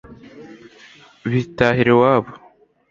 bitahira iwabo